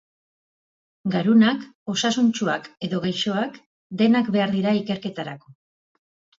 Garunak, osasuntsuak edo gaixoak, denak behar dira ikerketarako.